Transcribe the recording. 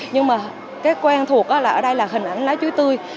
nhưng mà cái quen thuộc là ở đây là hình ảnh lá chuối tươi